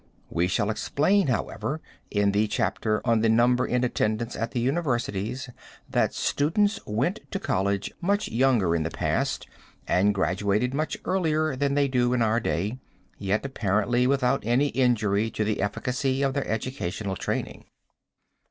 We shall explain, however, in the chapter on the Numbers in Attendance at the Universities that students went to college much younger in the past and graduated much earlier than they do in our day, yet apparently, without any injury to the efficacy of their educational training.